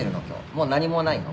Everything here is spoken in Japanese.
もう何もないの？